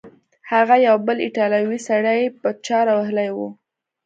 هغه یو بل ایټالوی سړی په چاړه وهلی و.